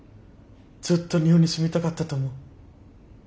ずっと日本に住みたかったと思う。